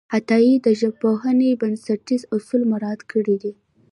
عطایي د ژبپوهنې بنسټیز اصول مراعت کړي دي.